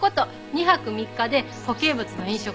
２泊３日で固形物の飲食は一切なし。